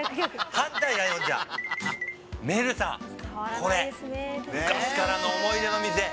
これ昔からの思い出の店。